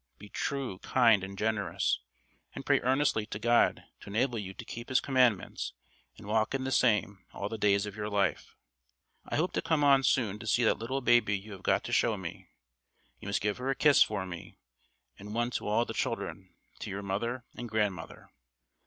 Be true, kind and generous, and pray earnestly to God to enable you to keep His Commandments 'and walk in the same all the days of your life.' I hope to come on soon to see that little baby you have got to show me. You must give her a kiss for me, and one to all the children, to your mother, and grandmother."